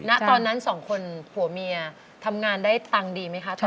งั้นตอนนั้นส่องคนผู้หมาเธอทำงานได้ตังฯทั่งดีไม่คะตอนเดือน